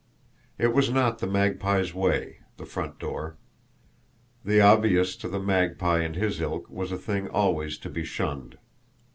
It was not the Magpie's way, the front door the obvious to the Magpie and his ilk was a thing always to be shunned.